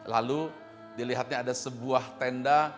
lalu dilihatnya ada sebuah tenda